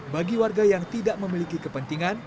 bagi warga yang tidak memiliki kepentingan